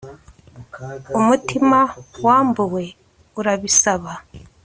Umutima wambuwe urabisaba